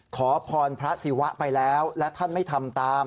ขอพรพระศิวะไปแล้วและท่านไม่ทำตาม